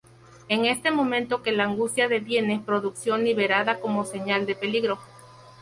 Es en este momento que la angustia deviene producción deliberada como señal de peligro.